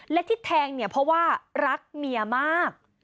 และที่แทงเนี่ยเพราะว่ารักเมียมาก